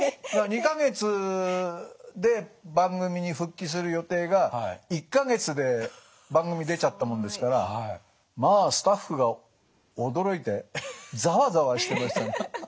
２か月で番組に復帰する予定が１か月で番組に出ちゃったもんですからまあスタッフが驚いてざわざわしてました。